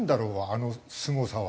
あのすごさは。